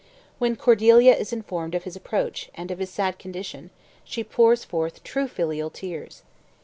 When Cordeilla is informed of his approach, and of his sad condition, she pours forth true filial tears.